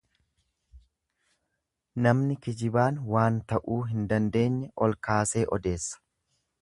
Namni kijibaan waan ta'uu hin dandeenye ol kaasee odeessa.